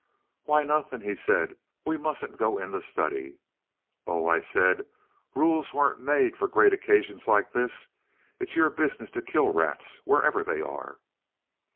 "Why, nothing," he said; "we mustn't go in the study." "Oh," I said, "rules weren't made for great occasions like this; it's your business to kill rats wherever they are."